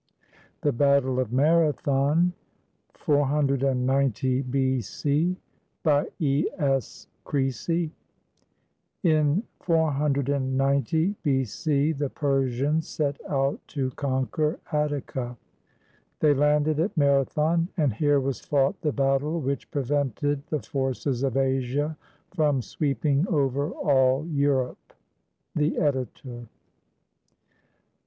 THE BATTLE OF MARATHON [490 B.C.] BY E. S. CREASY [In 490 B.C., the Persians set out to conquer Attica. They landed at Marathon, and here was fought the battle which prevented the forces of Asia from sweeping over all Europe. The Editor.